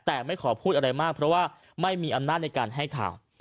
แต่ไม่ขอพูดอะไรมากเพราะว่าไม่มีอำนาจในการให้ข่าว